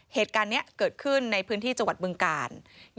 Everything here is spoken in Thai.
เหตุการณ์นี้เกิดขึ้นในพื้นที่จังหวัดบึงกาล